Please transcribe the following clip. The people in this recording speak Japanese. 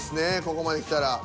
ここまできたら。